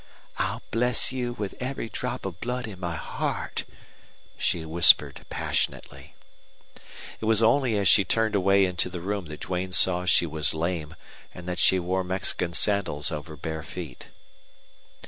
"I'll bless you with every drop of blood in my heart," she whispered, passionately. It was only as she turned away into the room that Duane saw she was lame and that she wore Mexican sandals over bare feet.